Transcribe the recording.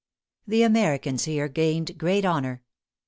The Americans here gained great honor.